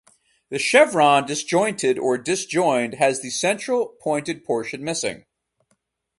The chevron disjointed or disjoined has the central, pointed portion missing.